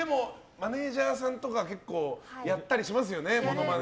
マネジャーさんとか結構、やったりしますよね。